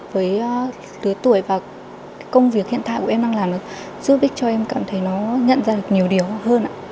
với đứa tuổi và công việc hiện tại của em đang làm giúp cho em cảm thấy nó nhận ra được nhiều điều hơn